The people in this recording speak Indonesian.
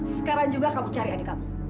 sekarang juga kamu cari adik kamu